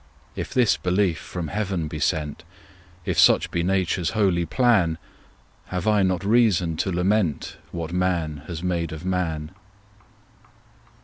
If this belief from heaven be sent, If such be Nature's holy plan, Have I not reason to lament What man has made of man?